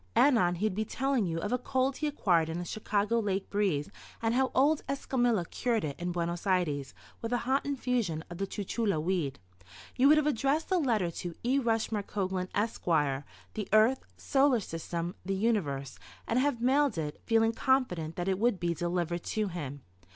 Anon he would be telling you of a cold he acquired in a Chicago lake breeze and how old Escamila cured it in Buenos Ayres with a hot infusion of the chuchula weed. You would have addressed a letter to "E. Rushmore Coglan, Esq., the Earth, Solar System, the Universe," and have mailed it, feeling confident that it would be delivered to him.